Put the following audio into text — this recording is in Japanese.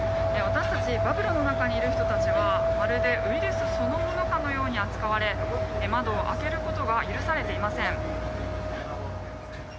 私たちバブルの中にいる人たちはまるでウイルスそのものかのように扱われ、窓を開けることが許されていません。